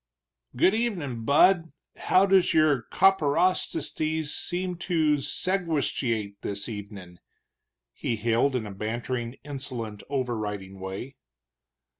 "Good evenin', bud. How does your copperosticies seems to segastuate this evenin'?" he hailed, in a bantering, insolent, overriding way.